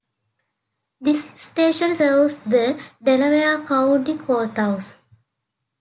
This station serves the Delaware County Courthouse.